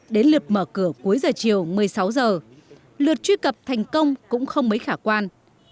đến lượt mở cửa cuối giờ chiều một mươi sáu giờ lượt truy cập thành công cũng không mấy khả quan